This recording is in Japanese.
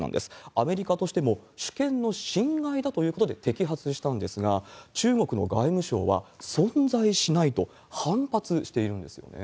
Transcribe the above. アメリカとしても、主権の侵害だということで摘発したんですが、中国の外務省は、存在しないと反発しているんですよね。